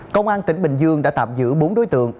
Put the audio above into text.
công an tỉnh bình dương đã tạm giữ bốn đối tượng